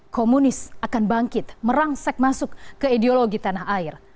komunis akan bangkit merangsek masuk ke ideologi tanah air